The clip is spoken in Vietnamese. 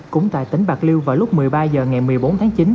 cũng tại tỉnh bạc liêu vào lúc một mươi ba h ngày một mươi bốn tháng chín